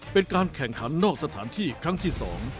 เป็นการแข่งขันนอกสถานที่ครั้งที่๒